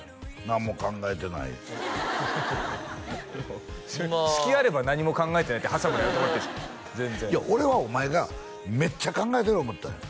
何も考えてない隙あれば何も考えてないって挟むのやめてもらっていいですかいや俺はお前がめっちゃ考えてる思ってたんよ